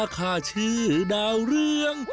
ค่าชื่อดาวเรือง